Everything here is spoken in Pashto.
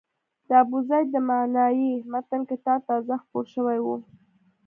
د ابوزید د معنای متن کتاب تازه خپور شوی و.